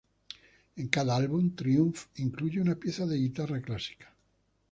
En cada álbum, Triumph incluye una pieza de guitarra clásica.